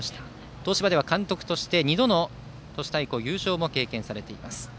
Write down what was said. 東芝では監督として２度の都市対抗優勝も経験されています。